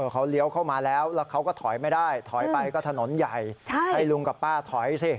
เขาเลี้ยวเข้ามาแล้วแล้วเขาก็ถอยไม่ได้ถอยไปก็ถนนใหญ่ให้ลุงกับป้าถอยสิ